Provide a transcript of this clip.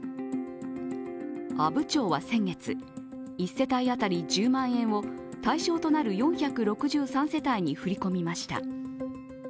阿武町は先月、１世帯当たり１０万円を対象となる４６３世帯に振り込みました。